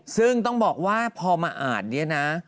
ซึ่งต้องบอกว่าพอมาอ่านเนี่ยนะ